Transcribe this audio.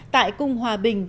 tại cung hòa bình